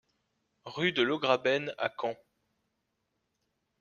Rue de l'Augraben à Kembs